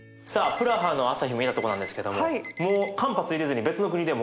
プラハの朝日見たとこなんですけどももう間髪入れずに別の国でも上がるみたいですよ。